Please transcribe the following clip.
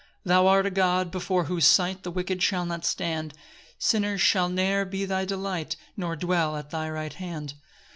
3 Thou art a God before whose sight The wicked shall not stand; Sinners shall ne'er be thy delight, Nor dwell at thy right hand.